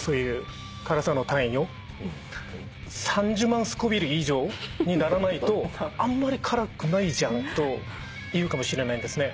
３０万スコヴィル以上にならないとあんまり辛くないじゃんと言うかもしれないですね。